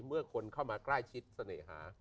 เมื่อคนเข้ามาใกล้ชิดเสน่หา